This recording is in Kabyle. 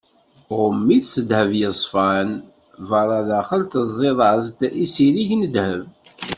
Ɣumm-it s ddheb yeṣfan, beṛṛa, daxel tezziḍ-as-d s izirig n ddheb.